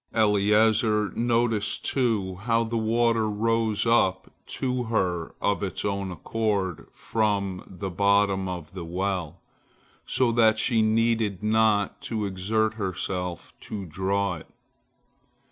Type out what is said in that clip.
Eliezer noticed, too, how the water rose up to her of its own accord from the bottom of the well, so that she needed not to exert herself to draw it.